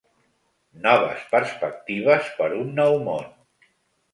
Noves perspectives per un nou món.